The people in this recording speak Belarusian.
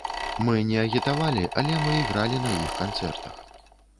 Мы не агітавалі, але мы ігралі на іх канцэртах.